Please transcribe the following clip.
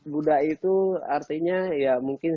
buddha itu artinya ya mungkin